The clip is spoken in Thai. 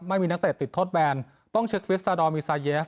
ไม่มีนักเตะติดโทษแบนต้องเช็คฟิสสาดอลมิซาเยฟ